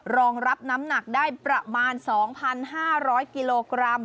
รองรับน้ำหนักได้ประมาณ๒๕๐๐กิโลกรัม